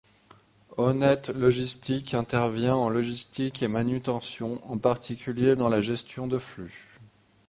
Onet Logistique intervient en logistique et manutention, en particulier dans la gestion de flux.